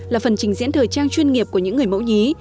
là phần trình diễn thời trang chuyên nghiệp của những người mẫu nhí